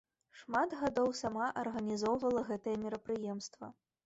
Шмат гадоў сама арганізоўвала гэтае мерапрыемства.